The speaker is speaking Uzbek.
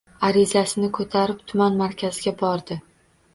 Arizasini koʻtarib tuman markaziga bordi.